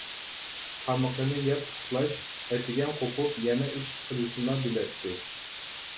تامىقىنى يەپ ئۇخلاش، ئەتىگەن قوپۇپ يەنە ئىش قىلىشنىلا بىلەتتى.